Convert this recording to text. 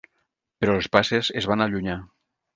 Però les passes es van allunyar.